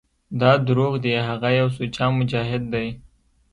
دا دروغ دي هغه يو سوچه مجاهد دى.